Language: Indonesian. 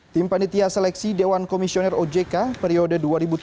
tim panitia seleksi dewan komisioner ojk periode dua ribu tujuh belas dua ribu dua